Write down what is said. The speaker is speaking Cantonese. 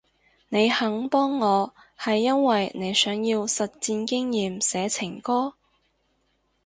你肯幫我係因為你想要實戰經驗寫情歌？